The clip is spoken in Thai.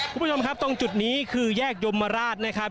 คุณผู้ชมครับตรงจุดนี้คือแยกยมราชนะครับ